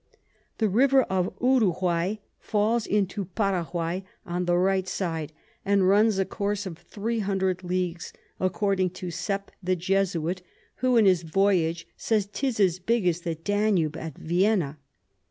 The River Uruquay falls into Paraguay on the right side, and runs a Course of 300 Leagues, according to Sepp the Jesuit, who in his Voyage says 'tis as big as the Danube at Vienna.